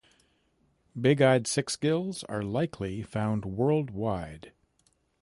Bigeyed sixgills are likely found worldwide.